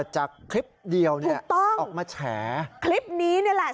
จากคลิปเดียวเนี้ยถูกต้องออกมาแชร์คลิปนี้นี่แหละ